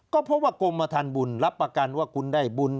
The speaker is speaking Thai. ก็เพราะว่ากรมฐานบุญรับประกันว่าคุณได้บุญ